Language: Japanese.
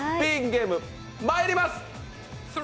ゲーム、まいります！